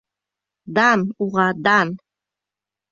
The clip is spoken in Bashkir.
Дан уға, дан!